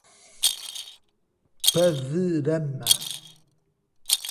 Paverama